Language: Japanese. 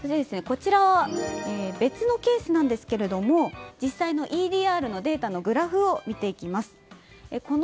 こちら、別のケースなんですけど実際のＥＤＲのデータのグラフを見ていきます。